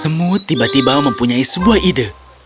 semut tiba tiba mempunyai sebuah ide